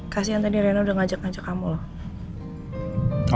kasian tadi rena udah ngajak ngajak kamu loh